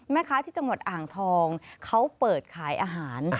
แม่ค้าที่จังหวัดอ่างทองเขาเปิดขายอาหาร